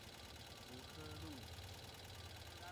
福科路